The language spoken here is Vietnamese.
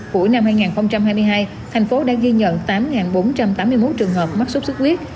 cuối năm hai nghìn hai mươi hai tp hcm đã ghi nhận tám bốn trăm tám mươi một trường hợp mắc sốt sốt huyết